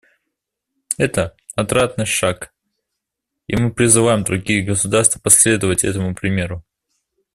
Это — отрадный шаг, и мы призываем другие государства последовать этому примеру.